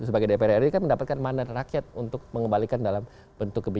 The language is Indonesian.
karena kan saya waktu sebagai dpr ri kan mendapatkan mandat rakyat untuk mengembalikan dalam bentuk politik